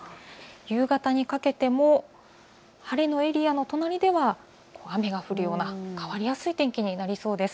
夕方にかけても晴れのエリアの隣では雨が降るような変わりやすい天気になりそうです。